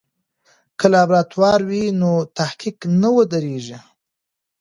که لابراتوار وي نو تحقیق نه ودریږي.